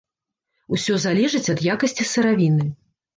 Усё залежыць ад якасці сыравіны.